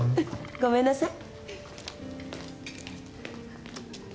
ごめんなさい。